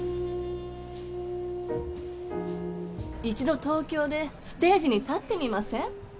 一度東京でステージに立ってみません？